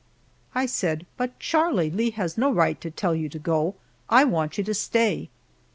I said, "But, Charlie, Lee has no right to tell you to go; I want you to stay."